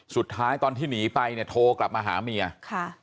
ตอนที่หนีไปเนี่ยโทรกลับมาหาเมียค่ะ